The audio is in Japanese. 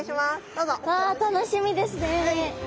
うわ楽しみですね。